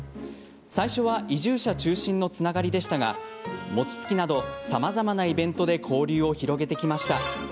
最初は移住者中心のつながりでしたが餅つきなどさまざまなイベントで交流を広げてきました。